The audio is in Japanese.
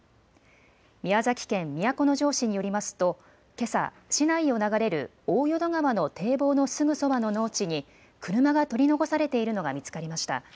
宮崎県都城市によりますとけさ、市内を流れる大淀川の堤防のすぐそばの農地に車が取り残されているのが見つかりました。